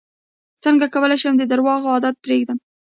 څنګه کولی شم د درواغو عادت پرېږدم